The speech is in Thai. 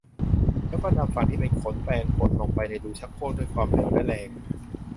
แล้วก็นำฝั่งที่เป็นขนแปรงกดลงไปในรูชักโครกด้วยความเร็วและแรง